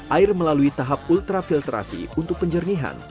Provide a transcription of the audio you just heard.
air melalui tahap ultrafiltrasi untuk penjernihan